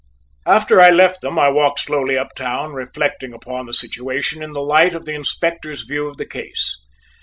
After I left them I walked slowly uptown, reflecting upon the situation in the light of the Inspector's view of the case.